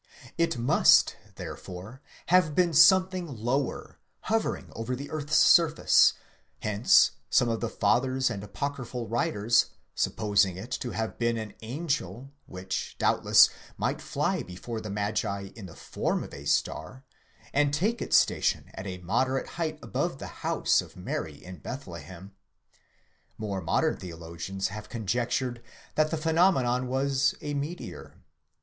Jt must therefore have been something lower, hovering over the earth's surface ; hence some of the Fathers and apocryphal writers !* supposed it to have been an angel, which, doubtless, might fly before the magi in the form of a star, and take its station at a moderate height above the house of Mary in Beth lehem ; more modern theologians have conjectured that the phenomenon was a meteor.!